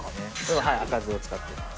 はい赤酢を使っています